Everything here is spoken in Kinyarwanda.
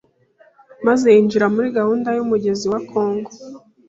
maze yinjira muri gahunda y’umugezi wa Congo.